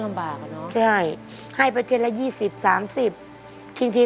ลูกดูแลเราไม่ได้